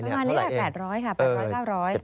ประมาณนี้แหละ๘๐๐ค่ะ๘๐๐๙๐๐บาท